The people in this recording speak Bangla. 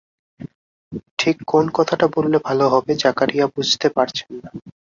ঠিক কোন কথাটা বললে ভালো হবে জাকারিয়া বুঝতে পারছেন না।